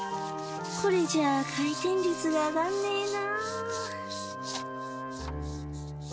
これじゃあ回転率が上がんねえな。